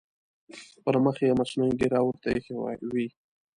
پر مخ یې مصنوعي ږیره ورته اېښې وي.